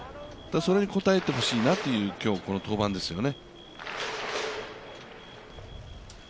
それに応えてほしいなという今日のこの登板ですよね。